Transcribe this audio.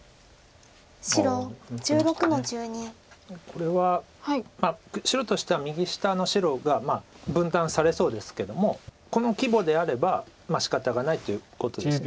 これは白としては右下の白が分断されそうですけどもこの規模であればしかたがないということです。